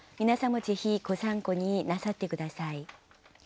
皆さんもぜひご参考になさって下さい。